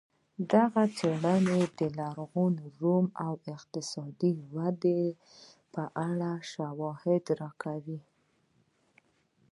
دغه څېړنه د لرغوني روم د اقتصادي ودې په اړه شواهد راکوي